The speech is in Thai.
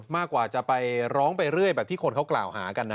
มากกว่าจะไปร้องไปเรื่อยแบบที่คนเขากล่าวหากันนะ